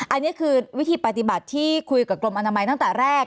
อันนี้คือวิธีปฏิบัติที่คุยกับกรมอนามัยตั้งแต่แรก